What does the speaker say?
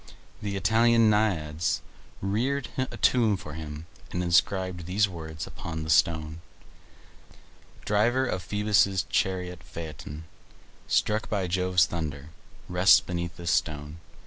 The Italian Naiads reared a tomb for him, and inscribed these words upon the stone: "Driver of Phoebus' chariot Phaeton, Struck by Jove's thunder, rests beneath this stone.